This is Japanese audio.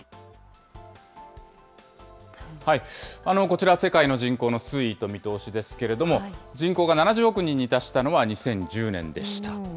こちら、世界の人口の推移と見通しですけれども、人口が７０億人に達したのは２０１０年でした。